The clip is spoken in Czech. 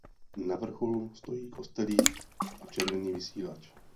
Na vrcholu stojí kostelík a červený vysílač.